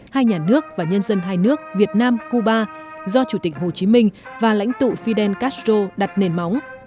hai nhà nước và nhân dân hai nước việt nam cuba do chủ tịch hồ chí minh và lãnh tụ fidel castro đặt nền móng